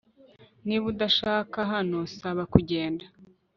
Niba udashaka hano saba kugenda